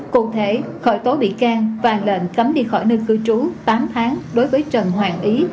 cụ thể khởi tố bị can và lệnh cấm đi khỏi nơi cư trú tám tháng đối với trần hoàng ý